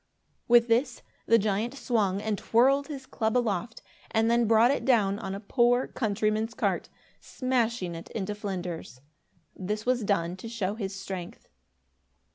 With this, the giant swung and twirled his club aloft and then brought it down on a poor countryman's cart, smashing it into flinders. This was done to show his strength.